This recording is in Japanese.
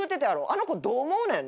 あの子どう思うねん。